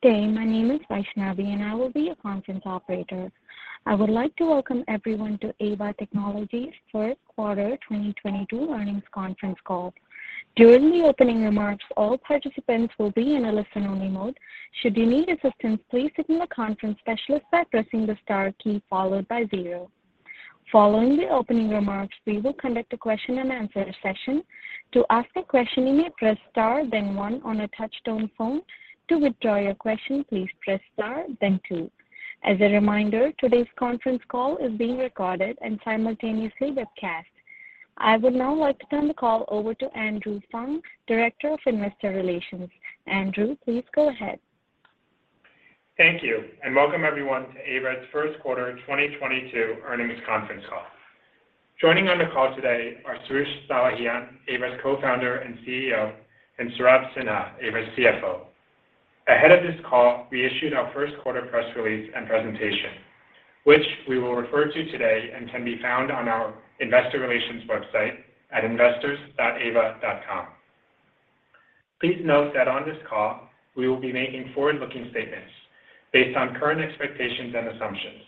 Good day. My name is Vaishnavi, and I will be your conference operator. I would like to welcome everyone to Aeva Technologies' first quarter 2022 earnings conference call. During the opening remarks, all participants will be in a listen-only mode. Should you need assistance, please signal the conference specialist by pressing the star key followed by zero. Following the opening remarks, we will conduct a question-and-answer session. To ask a question, you may press Star then one on a touch-tone phone. To withdraw your question, please press Star then two. As a reminder, today's conference call is being recorded and simultaneously webcast. I would now like to turn the call over to Andrew Fung, Director of Investor Relations. Andrew, please go ahead. Thank you, and welcome everyone to Aeva's first quarter 2022 earnings conference call. Joining on the call today are Soroush Salehian, Aeva's Co-founder and CEO, and Saurabh Sinha, Aeva's CFO. Ahead of this call, we issued our first quarter press release and presentation, which we will refer to today and can be found on our investor relations website at investors.aeva.com. Please note that on this call, we will be making forward-looking statements based on current expectations and assumptions,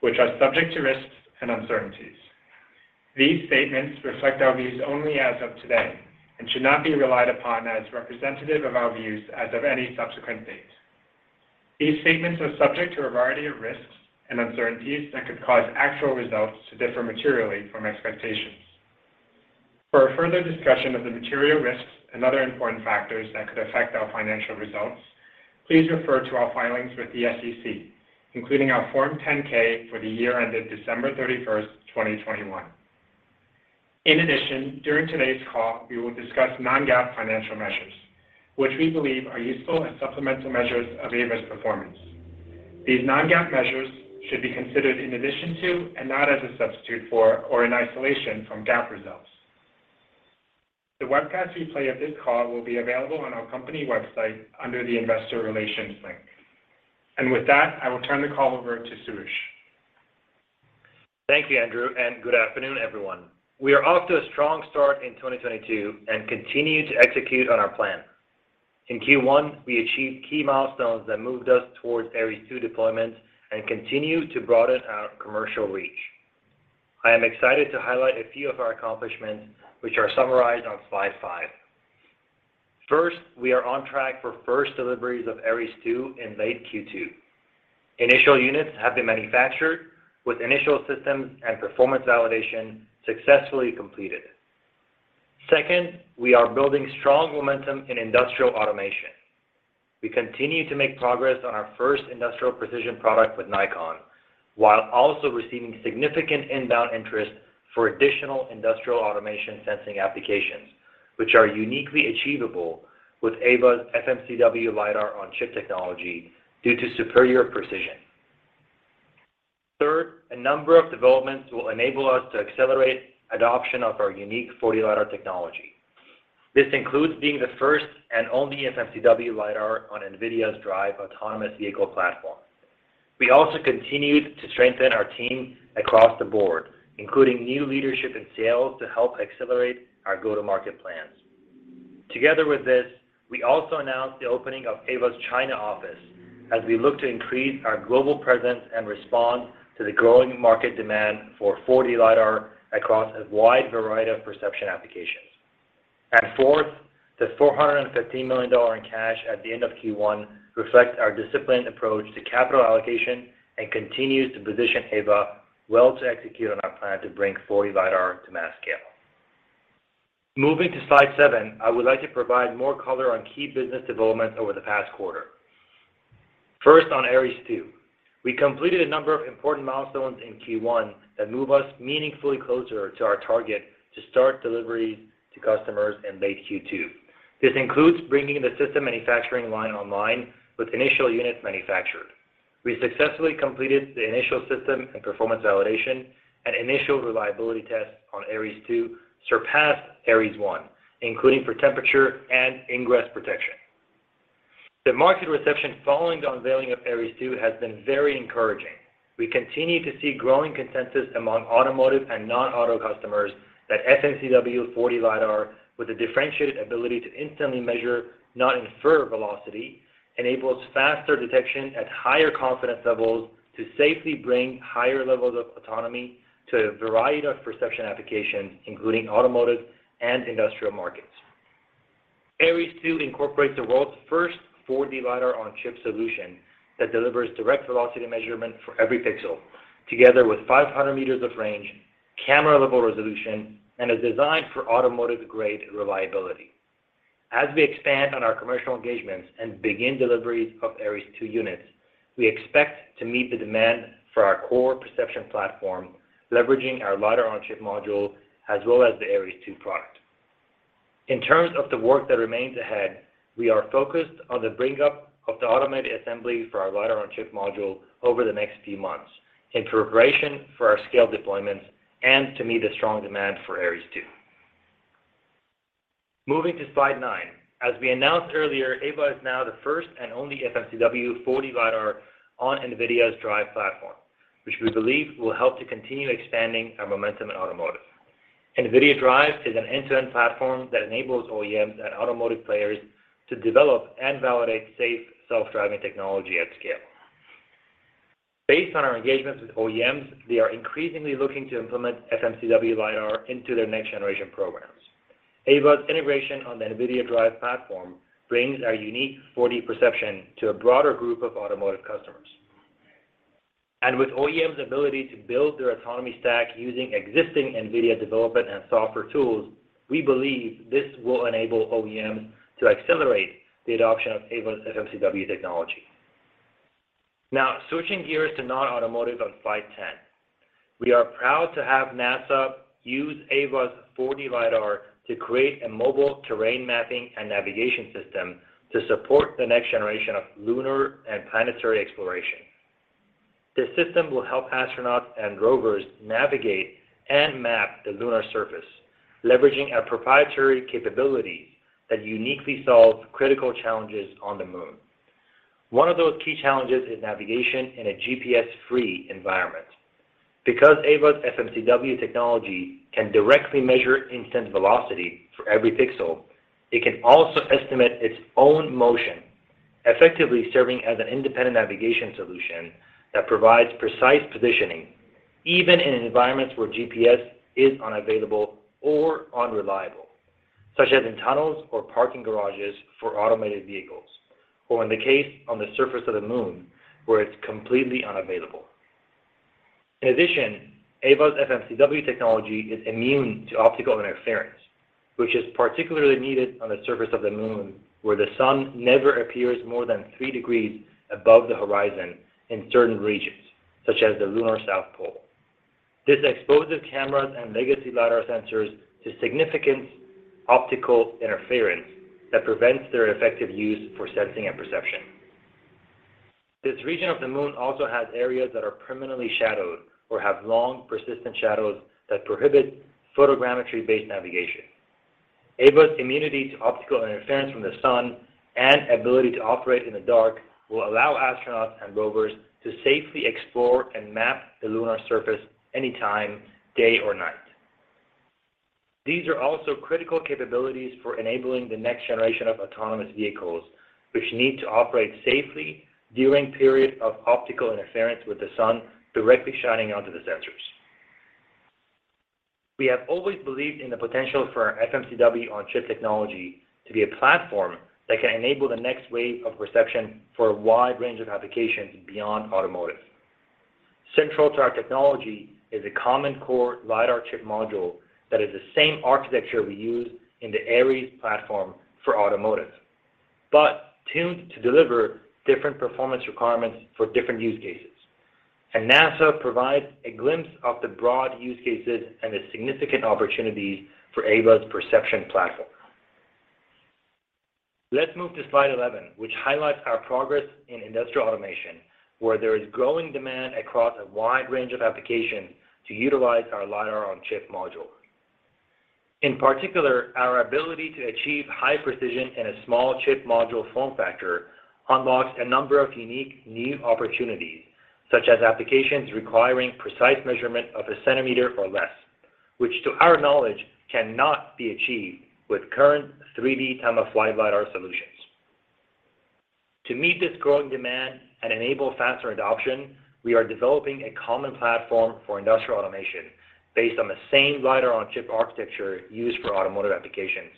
which are subject to risks and uncertainties. These statements reflect our views only as of today and should not be relied upon as representative of our views as of any subsequent date. These statements are subject to a variety of risks and uncertainties that could cause actual results to differ materially from expectations. For a further discussion of the material risks and other important factors that could affect our financial results, please refer to our filings with the SEC, including our Form 10-K for the year ended December 31, 2021. In addition, during today's call, we will discuss non-GAAP financial measures, which we believe are useful and supplemental measures of Aeva's performance. These non-GAAP measures should be considered in addition to and not as a substitute for or in isolation from GAAP results. The webcast replay of this call will be available on our company website under the Investor Relations link. With that, I will turn the call over to Soroush. Thank you, Andrew, and good afternoon, everyone. We are off to a strong start in 2022 and continue to execute on our plan. In Q1, we achieved key milestones that moved us towards Aeries II deployment and continued to broaden our commercial reach. I am excited to highlight a few of our accomplishments, which are summarized on slide five. First, we are on track for first deliveries of Aeries II in late Q2. Initial units have been manufactured with initial systems and performance validation successfully completed. Second, we are building strong momentum in industrial automation. We continue to make progress on our first industrial precision product with Nikon, while also receiving significant inbound interest for additional industrial automation sensing applications, which are uniquely achievable with Aeva's FMCW LiDAR-on-chip technology due to superior precision. Third, a number of developments will enable us to accelerate adoption of our unique 4D LiDAR technology. This includes being the first and only FMCW LiDAR on NVIDIA DRIVE autonomous vehicle platform. We also continued to strengthen our team across the board, including new leadership in sales to help accelerate our go-to-market plans. Together with this, we also announced the opening of Aeva's China office as we look to increase our global presence and respond to the growing market demand for 4D LiDAR across a wide variety of perception applications. Fourth, the $415 million in cash at the end of Q1 reflects our disciplined approach to capital allocation and continues to position Aeva well to execute on our plan to bring 4D LiDAR to mass scale. Moving to slide seven, I would like to provide more color on key business developments over the past quarter. First, on Aeries II. We completed a number of important milestones in Q1 that move us meaningfully closer to our target to start delivery to customers in late Q2. This includes bringing the system manufacturing line online with initial units manufactured. We successfully completed the initial system and performance validation, and initial reliability tests on Aeries II surpassed Aeries I, including for temperature and ingress protection. The market reception following the unveiling of Aeries II has been very encouraging. We continue to see growing consensus among automotive and non-auto customers that FMCW 4D LiDAR with a differentiated ability to instantly measure, not infer velocity, enables faster detection at higher confidence levels to safely bring higher levels of autonomy to a variety of perception applications, including automotive and industrial markets. Aeries II incorporates the world's first 4D LiDAR-on-chip solution that delivers direct velocity measurement for every pixel together with 500 meters of range, camera-level resolution, and is designed for automotive-grade reliability. As we expand on our commercial engagements and begin deliveries of Aeries II units, we expect to meet the demand for our core perception platform, leveraging our LiDAR-on-chip module as well as the Aeries II product. In terms of the work that remains ahead, we are focused on the bring up of the automated assembly for our LiDAR-on-chip module over the next few months in preparation for our scale deployments and to meet the strong demand for Aeries II. Moving to slide nine. As we announced earlier, Aeva is now the first and only FMCW 4D LiDAR on NVIDIA DRIVE platform, which we believe will help to continue expanding our momentum in automotive. NVIDIA DRIVE is an end-to-end platform that enables OEMs and automotive players to develop and validate safe self-driving technology at scale. Based on our engagements with OEMs, they are increasingly looking to implement FMCW LiDAR into their next-generation programs. Aeva's integration on the NVIDIA DRIVE platform brings our unique 4D perception to a broader group of automotive customers. With OEMs' ability to build their autonomy stack using existing NVIDIA development and software tools, we believe this will enable OEMs to accelerate the adoption of Aeva's FMCW technology. Now, switching gears to non-automotive on slide 10. We are proud to have NASA use Aeva's 4D LiDAR to create a mobile terrain mapping and navigation system to support the next generation of lunar and planetary exploration. This system will help astronauts and rovers navigate and map the lunar surface, leveraging our proprietary capabilities that uniquely solve critical challenges on the moon. One of those key challenges is navigation in a GPS-free environment. Because Aeva's FMCW technology can directly measure instant velocity for every pixel, it can also estimate its own motion, effectively serving as an independent navigation solution that provides precise positioning, even in environments where GPS is unavailable or unreliable, such as in tunnels or parking garages for automated vehicles. In the case on the surface of the moon, where it's completely unavailable. In addition, Aeva's FMCW technology is immune to optical interference, which is particularly needed on the surface of the moon, where the sun never appears more than three degrees above the horizon in certain regions, such as the lunar south pole. This exposes cameras and legacy LiDAR sensors to significant optical interference that prevents their effective use for sensing and perception. This region of the moon also has areas that are permanently shadowed or have long, persistent shadows that prohibit photogrammetry-based navigation. Aeva's immunity to optical interference from the sun and ability to operate in the dark will allow astronauts and rovers to safely explore and map the lunar surface anytime, day or night. These are also critical capabilities for enabling the next generation of autonomous vehicles, which need to operate safely during periods of optical interference with the sun directly shining onto the sensors. We have always believed in the potential for our FMCW on-chip technology to be a platform that can enable the next wave of perception for a wide range of applications beyond automotive. Central to our technology is a common core LiDAR-on-chip module that is the same architecture we use in the Aeries platform for automotive, but tuned to deliver different performance requirements for different use cases. NASA provides a glimpse of the broad use cases and the significant opportunities for Aeva's perception platform. Let's move to slide 11, which highlights our progress in industrial automation, where there is growing demand across a wide range of applications to utilize our LiDAR-on-chip module. In particular, our ability to achieve high precision in a small chip module form factor unlocks a number of unique new opportunities, such as applications requiring precise measurement of a centimeter or less, which to our knowledge, cannot be achieved with current 3D time-of-flight LiDAR solutions. To meet this growing demand and enable faster adoption, we are developing a common platform for industrial automation based on the same LiDAR-on-chip architecture used for automotive applications.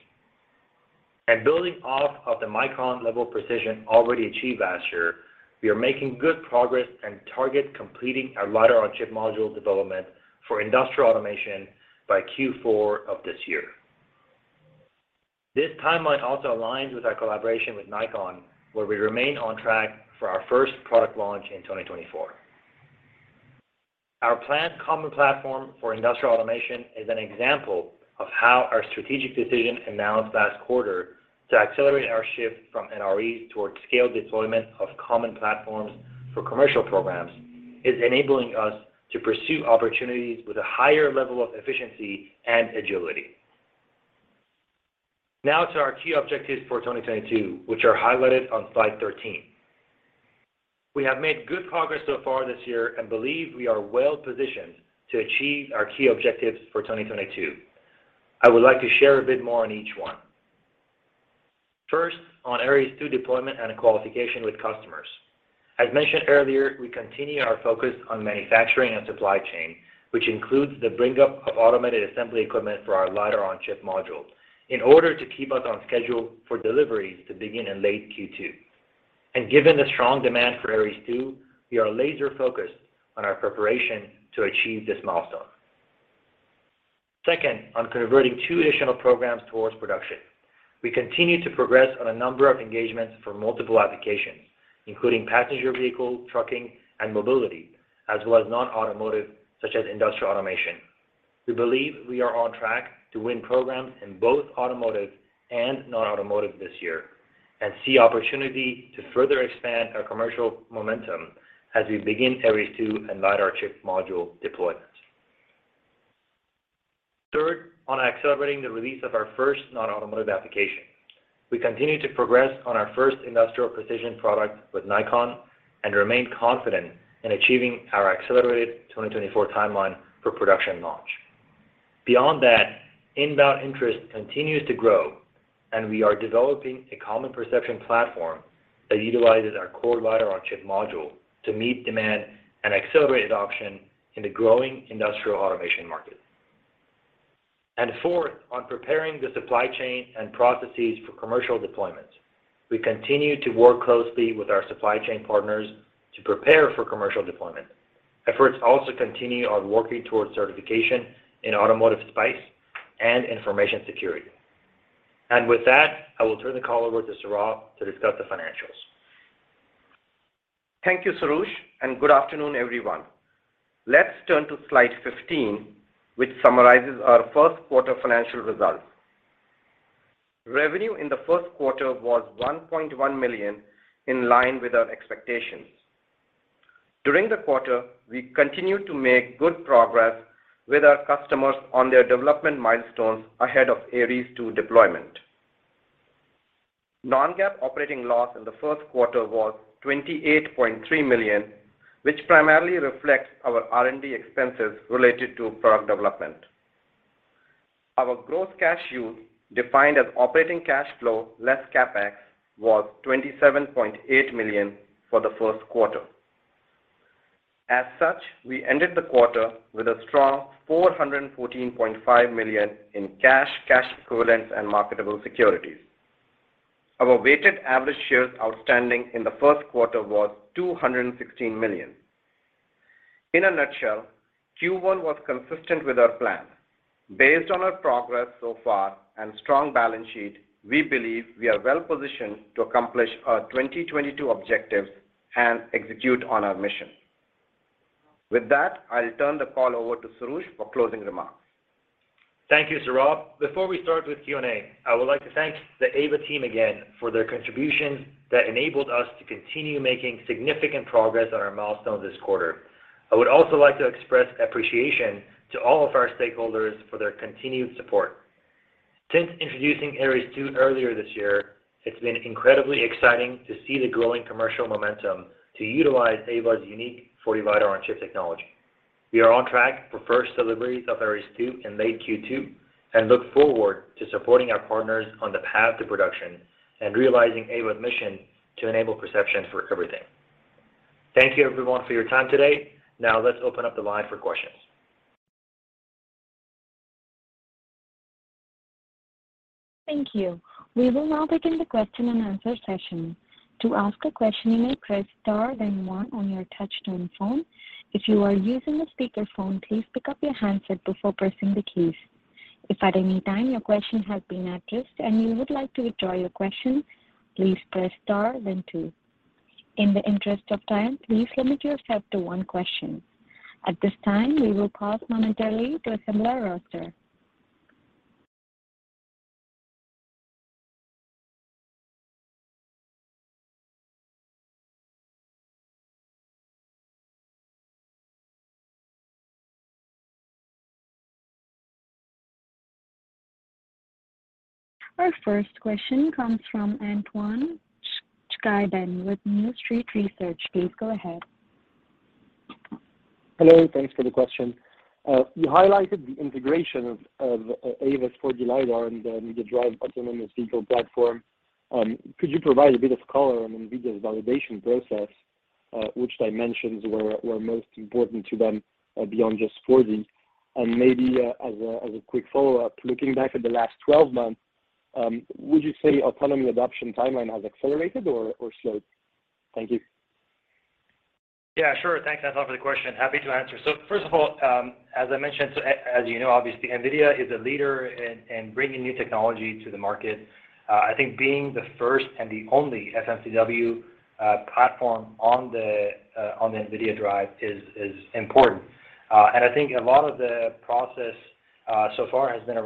Building off of the micron level precision already achieved last year, we are making good progress and target completing our LiDAR-on-chip module development for industrial automation by Q4 of this year. This timeline also aligns with our collaboration with Nikon, where we remain on track for our first product launch in 2024. Our planned common platform for industrial automation is an example of how our strategic decision announced last quarter to accelerate our shift from NRE towards scaled deployment of common platforms for commercial programs is enabling us to pursue opportunities with a higher level of efficiency and agility. Now to our key objectives for 2022, which are highlighted on slide 13. We have made good progress so far this year and believe we are well-positioned to achieve our key objectives for 2022. I would like to share a bit more on each one. First, on Aeries II deployment and qualification with customers. As mentioned earlier, we continue our focus on manufacturing and supply chain, which includes the bring up of automated assembly equipment for our LiDAR-on-chip module in order to keep us on schedule for deliveries to begin in late Q2. Given the strong demand for Aeries II, we are laser focused on our preparation to achieve this milestone. Second, on converting two additional programs towards production. We continue to progress on a number of engagements for multiple applications, including passenger vehicle, trucking, and mobility, as well as non-automotive, such as industrial automation. We believe we are on track to win programs in both automotive and non-automotive this year and see opportunity to further expand our commercial momentum as we begin Aeries II and LiDAR-on-chip deployment. Third, on accelerating the release of our first non-automotive application. We continue to progress on our first industrial precision product with Nikon and remain confident in achieving our accelerated 2024 timeline for production launch. Beyond that, inbound interest continues to grow, and we are developing a common perception platform that utilizes our core LiDAR-on-chip module to meet demand and accelerate adoption in the growing industrial automation market. Fourth, on preparing the supply chain and processes for commercial deployments, we continue to work closely with our supply chain partners to prepare for commercial deployment. Efforts also continue on working towards certification in automotive space and information security. With that, I will turn the call over to Saurabh to discuss the financials. Thank you, Soroush, and good afternoon, everyone. Let's turn to slide 15, which summarizes our first quarter financial results. Revenue in the first quarter was $1.1 million, in line with our expectations. During the quarter, we continued to make good progress with our customers on their development milestones ahead of Aeries II deployment. non-GAAP operating loss in the first quarter was $28.3 million, which primarily reflects our R&D expenses related to product development. Our gross cash use, defined as operating cash flow less CapEx, was $27.8 million for the first quarter. As such, we ended the quarter with a strong $414.5 million in cash equivalents, and marketable securities. Our weighted average shares outstanding in the first quarter was 216 million. In a nutshell, Q1 was consistent with our plan. Based on our progress so far and strong balance sheet, we believe we are well positioned to accomplish our 2022 objectives and execute on our mission. With that, I'll turn the call over to Soroush for closing remarks. Thank you, Saurabh. Before we start with Q&A, I would like to thank the Aeva team again for their contributions that enabled us to continue making significant progress on our milestones this quarter. I would also like to express appreciation to all of our stakeholders for their continued support. Since introducing Aeries II earlier this year, it's been incredibly exciting to see the growing commercial momentum to utilize Aeva's unique 4D LiDAR-on-chip technology. We are on track for first deliveries of Aeries II in late Q2 and look forward to supporting our partners on the path to production and realizing Aeva's mission to enable perception for everything. Thank you everyone for your time today. Now let's open up the line for questions. Thank you. We will now begin the question and answer session. To ask a question, you may press star then one on your touch-tone phone. If you are using a speakerphone, please pick up your handset before pressing the keys. If at any time your question has been addressed and you would like to withdraw your question, please press star then two. In the interest of time, please limit yourself to one question. At this time, we will pause momentarily to assemble our roster. Our first question comes from Antoine Chkaiban with New Street Research. Please go ahead. Hello. Thanks for the question. You highlighted the integration of Aeva's 4D LiDAR and the NVIDIA DRIVE autonomous vehicle platform. Could you provide a bit of color on NVIDIA's validation process, which dimensions were most important to them, beyond just 4D? Maybe as a quick follow-up, looking back at the last 12 months, would you say autonomy adoption timeline has accelerated or slowed? Thank you. Yeah, sure. Thanks, Antoine, for the question. Happy to answer. First of all, as I mentioned, as you know, obviously, NVIDIA is a leader in bringing new technology to the market. I think being the first and the only FMCW platform on the NVIDIA DRIVE is important. I think a lot of the process so far has been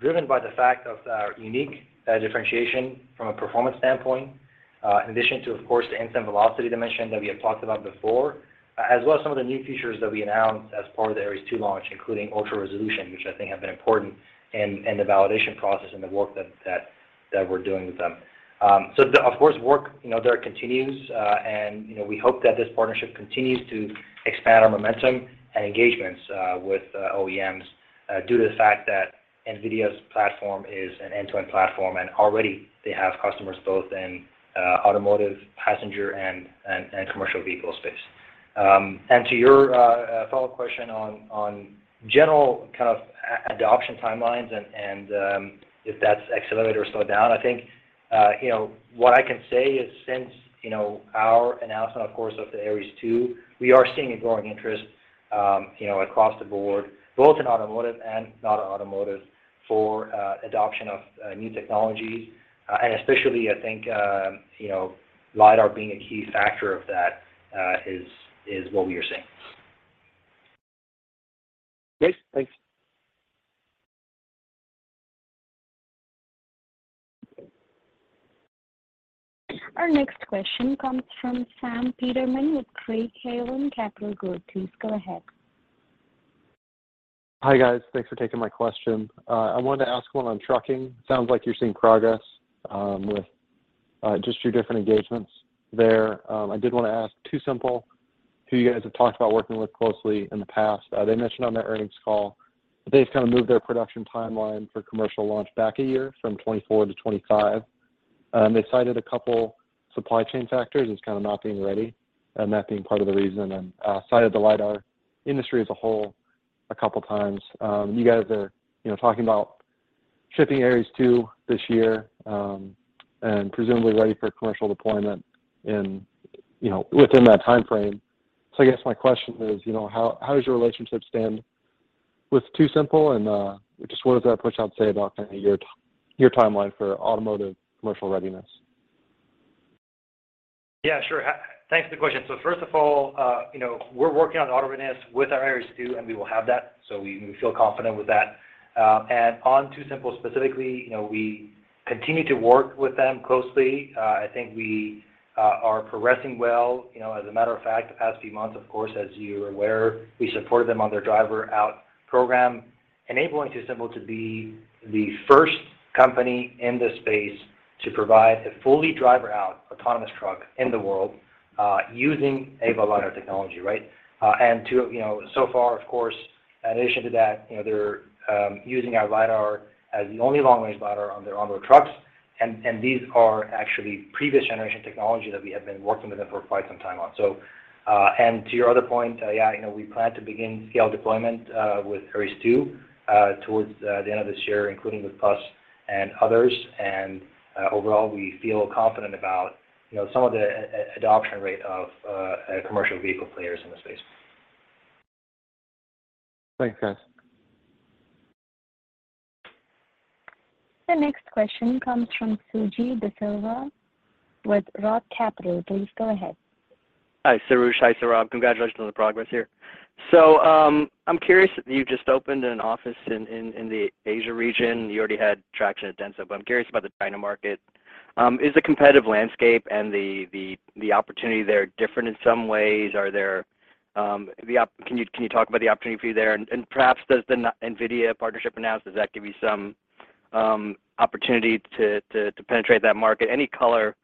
driven by the fact of our unique differentiation from a performance standpoint, in addition to, of course, the instant velocity dimension that we have talked about before, as well as some of the new features that we announced as part of the Aeries II launch, including Ultra Resolution, which I think have been important in the validation process and the work that we're doing with them. Of course, work there continues, and we hope that this partnership continues to expand our momentum and engagements with OEMs due to the fact that NVIDIA's platform is an end-to-end platform, and already they have customers both in automotive, passenger and commercial vehicle space. To your follow-up question on general kind of adoption timelines and if that's accelerated or slowed down, I think you know, what I can say is since you know, our announcement, of course, of the Aeries II, we are seeing a growing interest, you know, across the board, both in automotive and not automotive for adoption of new technologies, and especially I think, you know, LiDAR being a key factor of that is what we are seeing. Great. Thanks. Our next question comes from Sam Peterman with Craig-Hallum Capital Group. Please go ahead. Hi, guys. Thanks for taking my question. I wanted to ask one on trucking. Sounds like you're seeing progress with just your different engagements there. I did wanna ask TuSimple, who you guys have talked about working with closely in the past, they mentioned on their earnings call that they've kind of moved their production timeline for commercial launch back a year from 2024 to 2025. They cited a couple supply chain factors as kind of not being ready, that being part of the reason, and cited the LiDAR industry as a whole a couple times. You guys are, you know, talking about shipping Aeries II this year, and presumably ready for commercial deployment in, you know, within that timeframe. I guess my question is, you know, how does your relationship stand with TuSimple, and just what does that pushout say about kinda your timeline for automotive commercial readiness? Yeah, sure. Thanks for the question. First of all, you know, we're working on auto readiness with our Aeries II, and we will have that, so we feel confident with that. On TuSimple specifically, you know, we continue to work with them closely. I think we are progressing well. You know, as a matter of fact, the past few months, of course, as you're aware, we supported them on their driver out program, enabling TuSimple to be the first company in this space to provide a fully driver out autonomous truck in the world, using Aeva LiDAR technology, right? And so far, of course, in addition to that, you know, they're using our LiDAR as the only long-range LiDAR on their onboard trucks. These are actually previous generation technology that we have been working with them for quite some time on. To your other point, yeah, you know, we plan to begin scale deployment with Aeries II towards the end of this year, including with us and others. Overall, we feel confident about, you know, some of the adoption rate of commercial vehicle players in the space. Thanks, guys. The next question comes from Sujeeva De Silva with Roth Capital. Please go ahead. Hi, Soroush. Hi, Saurabh. Congratulations on the progress here. I'm curious. You just opened an office in the Asia region. You already had traction at Denso, but I'm curious about the China market. Is the competitive landscape and the opportunity there different in some ways? Can you talk about the opportunity for you there? Perhaps does the NVIDIA partnership announced give you some opportunity to penetrate that market? Any color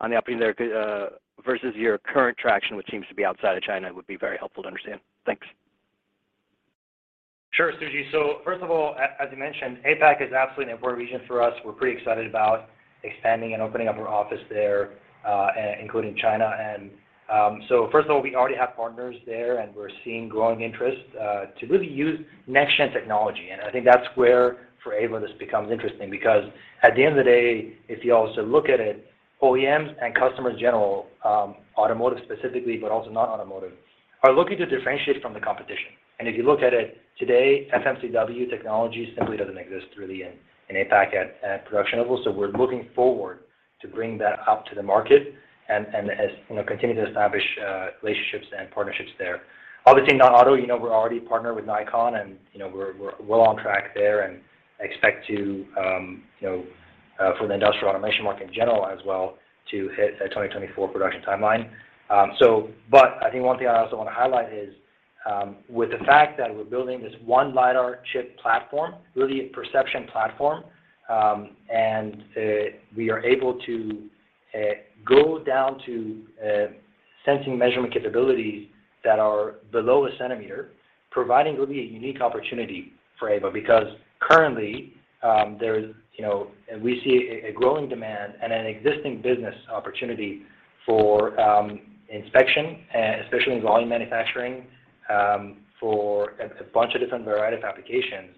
on the opportunity there versus your current traction, which seems to be outside of China, would be very helpful to understand. Thanks. Sure, Suji. As you mentioned, APAC is absolutely an important region for us. We're pretty excited about expanding and opening up our office there and including China. We already have partners there, and we're seeing growing interest to really use next gen technology. I think that's where for Aeva this becomes interesting because at the end of the day, if you also look at it, OEMs and customers in general, automotive specifically, but also not automotive, are looking to differentiate from the competition. If you look at it today, FMCW technology simply doesn't exist really in APAC at production level. We're looking forward to bringing that up to the market and as you know continue to establish relationships and partnerships there. Obviously, non-auto, you know, we're already partnered with Nikon and, you know, we're well on track there and expect to for the industrial automation market in general as well to hit a 2024 production timeline. I think one thing I also wanna highlight is with the fact that we're building this one LiDAR chip platform, really a perception platform, and we are able to go down to sensing measurement capabilities that are below a centimeter, providing really a unique opportunity for Aeva. Because currently, there is, you know, and we see a growing demand and an existing business opportunity for inspection, especially in volume manufacturing, for a bunch of different variety of applications.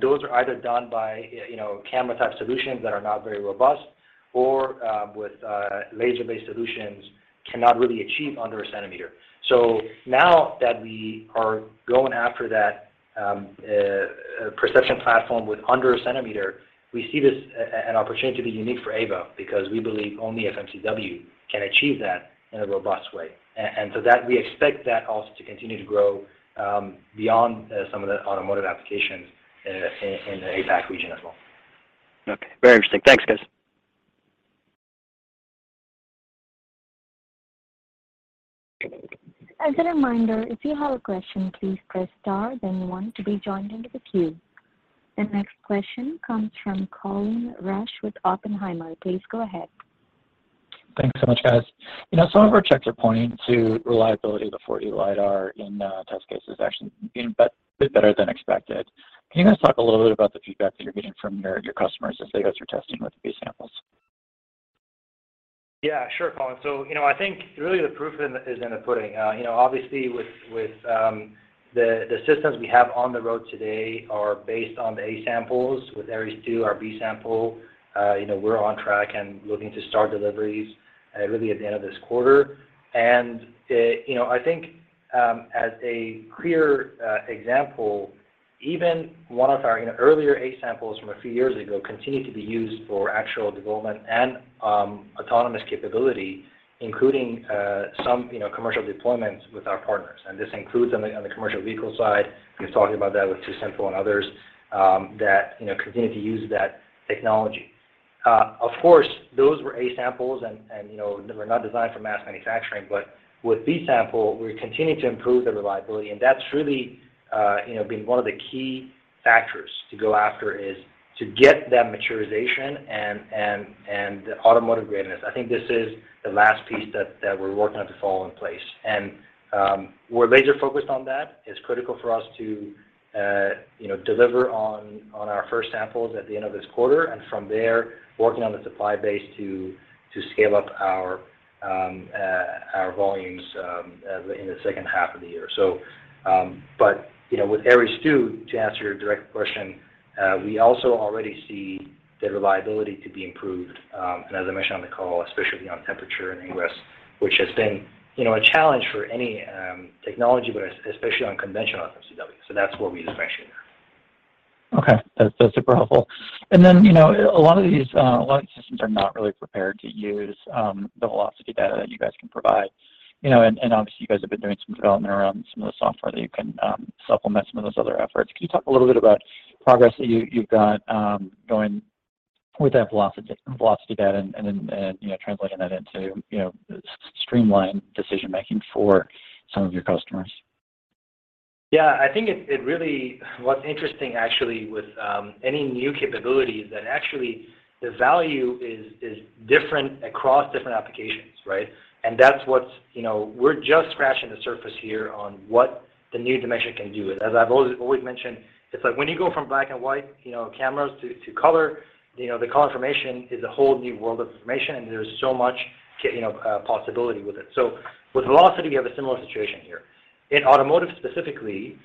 Those are either done by, you know, camera type solutions that are not very robust or with laser-based solutions that cannot really achieve under a centimeter. Now that we are going after that, perception platform with under a centimeter, we see this an opportunity to be unique for Aeva because we believe only FMCW can achieve that in a robust way. We expect that also to continue to grow, beyond some of the automotive applications, in the APAC region as well. Okay. Very interesting. Thanks, guys. As a reminder, if you have a question, please press star then one to be joined into the queue. The next question comes from Colin Rusch with Oppenheimer. Please go ahead. Thanks so much, guys. You know, some of our checks are pointing to reliability of the 4D LiDAR in test cases actually being a bit better than expected. Can you guys talk a little bit about the feedback that you're getting from your customers as you guys are testing with B-samples? Yeah. Sure, Colin. You know, I think really the proof is in the pudding. You know, obviously, with the systems we have on the road today are based on the A-sample. With Aeries II, our B-sample, you know, we're on track and looking to start deliveries really at the end of this quarter. You know, I think, as a clear example, even one of our earlier A-sample from a few years ago continue to be used for actual development and autonomous capability, including some commercial deployments with our partners. This includes on the commercial vehicle side. I was talking about that with TuSimple and others, that you know, continue to use that technology. Of course, those were A-samples and, you know, they were not designed for mass manufacturing. With B-sample, we're continuing to improve the reliability, and that's really, you know, been one of the key factors to go after is to get that maturation and automotive readiness. I think this is the last piece that we're working on to fall into place. We're majorly focused on that. It's critical for us to deliver our first samples at the end of this quarter. From there, working on the supply base to scale up our volumes in the second half of the year. You know, with every step, to answer your direct question, we also already see the reliability to be improved, and as I mentioned on the call, especially on temperature in the U.S., which has been, you know, a challenge for any technology, but especially on conventional FMCW. That's where we differentiate. Okay. That's super helpful. You know, a lot of these systems are not really prepared to use the velocity data that you guys can provide. You know, obviously, you guys have been doing some development around some of the software that you can supplement some of those other efforts. Can you talk a little bit about progress that you've got going with that velocity data and then, you know, translating that into, you know, streamline decision-making for some of your customers? Yeah. I think it really. What's interesting actually with any new capability is that actually the value is different across different applications, right? That's what's, you know, we're just scratching the surface here on what the new dimension can do. As I've always mentioned, it's like when you go from black and white, you know, cameras to color, you know, the confirmation is a whole new world of information, and there's so much possibility with it. With velocity, we have a similar situation here. In automotive specifically,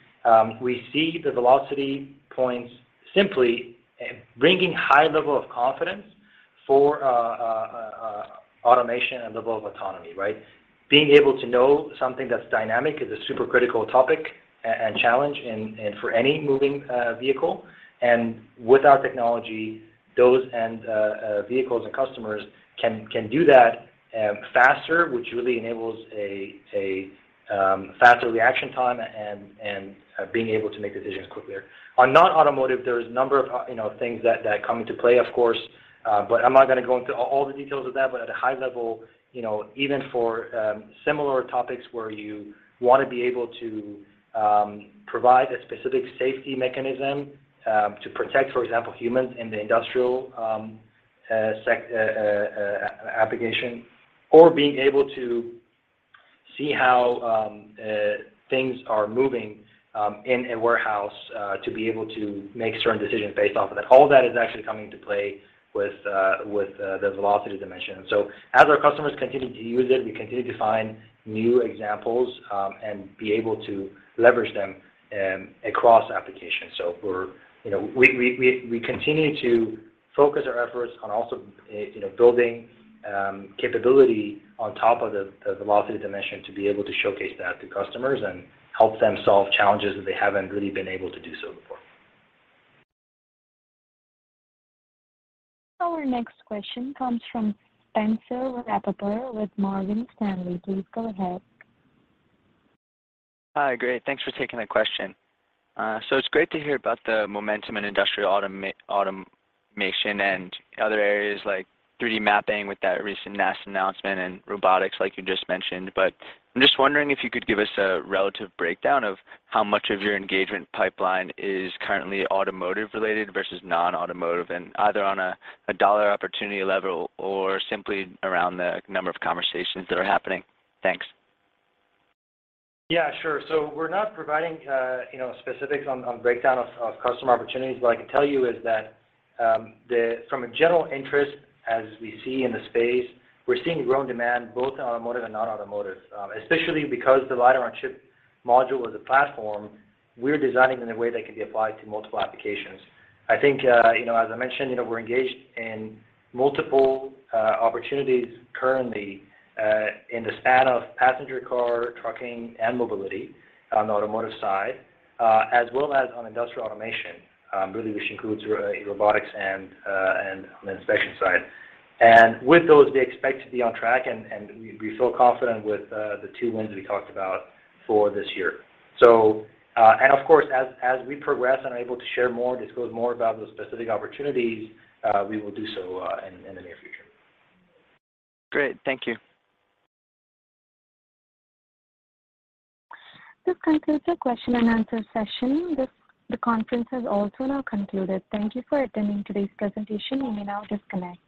we see the velocity points simply bringing high level of confidence for automation and level of autonomy, right? Being able to know something that's dynamic is a super critical topic and challenge in for any moving vehicle. With our technology, those vehicles and customers can do that faster, which really enables a faster reaction time and being able to make decisions quicker. On non-automotive, there's a number of you know things that come into play, of course. I'm not gonna go into all the details of that. At a high level, you know, even for similar topics where you wanna be able to provide a specific safety mechanism to protect, for example, humans in the industrial application or being able to see how things are moving in a warehouse to be able to make certain decisions based off of that. All that is actually coming into play with the velocity dimension. As our customers continue to use it, we continue to find new examples and be able to leverage them across applications. We're, you know, we continue to focus our efforts on also, you know, building capability on top of the velocity dimension to be able to showcase that to customers and help them solve challenges that they haven't really been able to do so before. Our next question comes from Spencer Hubbell with Morgan Stanley. Please go ahead. Hi. Great. Thanks for taking the question. It's great to hear about the momentum in industrial automation and other areas like 3D mapping with that recent NASA announcement and robotics like you just mentioned. I'm just wondering if you could give us a relative breakdown of how much of your engagement pipeline is currently automotive related versus non-automotive and either on a dollar opportunity level or simply around the number of conversations that are happening. Thanks. Yeah, sure. We're not providing you know, specifics on breakdown of customer opportunities. What I can tell you is that from a general interest as we see in the space, we're seeing growing demand both in automotive and non-automotive, especially because the LiDAR-on-chip module or the platform we're designing in a way that can be applied to multiple applications. I think you know, as I mentioned, you know, we're engaged in multiple opportunities currently in the span of passenger car, trucking, and mobility on the automotive side as well as on industrial automation, really which includes robotics and on the inspection side. With those, we expect to be on track and we feel confident with the two wins we talked about for this year. Of course, as we progress and are able to share more, disclose more about those specific opportunities, we will do so, in the near future. Great. Thank you. This concludes the question and answer session. The conference has also now concluded. Thank you for attending today's presentation. You may now disconnect.